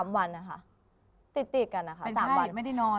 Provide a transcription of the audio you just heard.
มันใช่อีกอย่างมันไม่ได้นอน